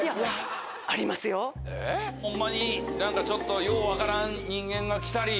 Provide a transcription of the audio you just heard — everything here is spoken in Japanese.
ホンマに何かちょっとよう分からん人間が来たり。